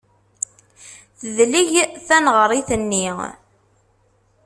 Tedleg taneɣrit-nni.